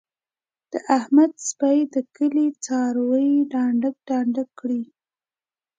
د احمد سپي د کلي څاروي دانګې دانګې کړل.